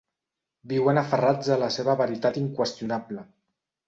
Viuen aferrats a la seva veritat inqüestionable.